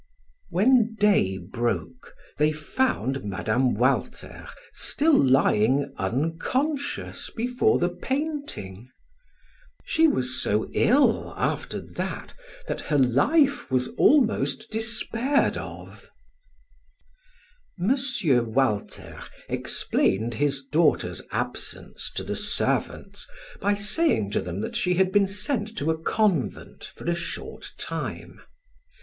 When day broke they found Mme. Walter still lying unconscious before the painting. She was so ill, after that, that her life was almost despaired of. M. Walter explained his daughter's absence to the servants by saying to them that she had been sent to a convent for a short time.